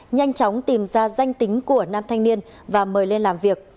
nhanh chóng tìm ra danh tính của nam thanh niên và mời lên làm việc